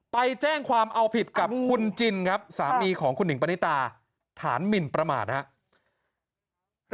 ไปแจ้งความเอาผิดกับคุณจินครับสามีของคุณหิงปณิตาฐานหมินประมาทครับ